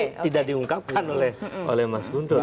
tapi tidak diungkapkan oleh mas guntur